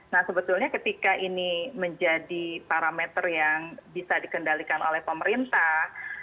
nah sebetulnya ketika ini menjadi parameter yang bisa dikendalikan oleh pemerintah